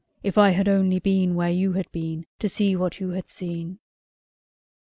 If I had only been where you have been, to see what you have seen!"